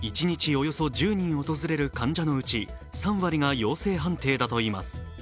およそ１０人訪れる患者のうち３割が陽性判定だといいます。